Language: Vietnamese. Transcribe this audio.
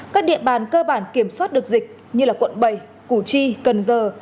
các địa bàn cơ bản kiểm soát được dịch như quận bảy củ chi cần giờ